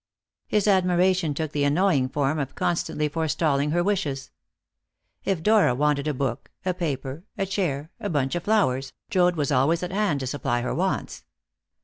His admiration took the annoying form of constantly forestalling her wishes. If Dora wanted a book, a paper, a chair, a bunch of flowers, Joad was always at hand to supply her wants.